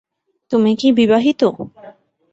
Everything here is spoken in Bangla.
তুমি কি বিবাহিত?